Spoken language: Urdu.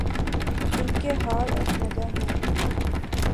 ان کے حال آسودہ ہیں۔